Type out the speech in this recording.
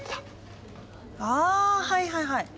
ああはいはいはい。